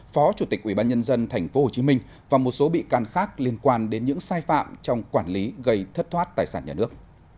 phó chủ tịch ubnd tp hcm và một số bị can khác liên quan đến những sai phạm trong quản lý gây thất thoát tài sản nhà nước